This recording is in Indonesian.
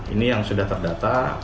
ini yang sudah terdata